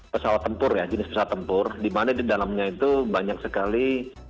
pesawat tempur ya jenis pesawat tempur di mana di dalamnya itu banyak sekali